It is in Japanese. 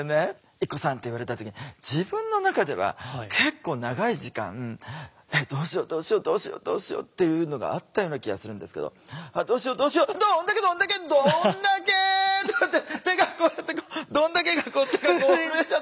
「ＩＫＫＯさん」って言われた時に自分の中では結構長い時間「えっどうしよどうしよどうしよどうしよ」っていうのがあったような気がするんですけど「どうしよどうしよどんだけどんだけどんだけ！」とかって手がこうやって「どんだけ」が手がこう震えちゃったんですよ。